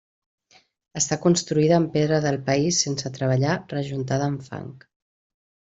Està construïda amb pedra del país sense treballar rejuntada amb fang.